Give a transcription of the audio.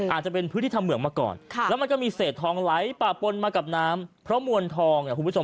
อาจจะเป็นพื้นที่ทำเหมืองมาก่อนแล้วมันก็มีเศษทองไหลป่าปนมากับน้ำเพราะมวลทองอ่ะคุณผู้ชม